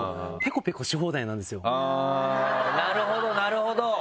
あぁなるほどなるほど！